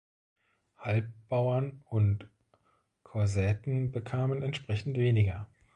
Halbbauern und Kossäten bekamen entsprechend weniger.